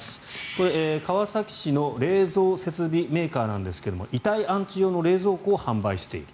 これは川崎市の冷蔵設備メーカーなんですが遺体安置用の冷蔵庫を販売している。